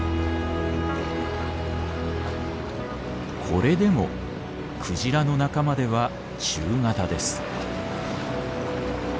これでもクジラの仲間では中型です。